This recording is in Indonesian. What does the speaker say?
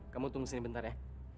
kamu tunggu sini sebentar ya